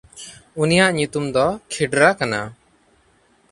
ᱩᱱᱤᱭᱟᱜ ᱧᱩᱛᱩᱢ ᱫᱚ ᱠᱷᱤᱲᱨᱟ ᱠᱟᱱᱟ᱾